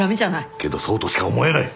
けどそうとしか思えない。